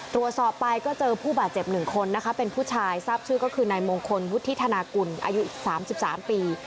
ตรวจสอบไปก็เจอผู้บาดเจ็บ๑คนนะคะเป็นผู้ชายทราบชื่อก็คือนายมงคลวุฒิธนากุลอายุ๓๓ปี